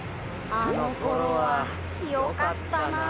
あの頃はよかったなあ。